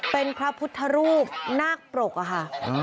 เป็นพระพุทธรูปนาคปรกอะค่ะ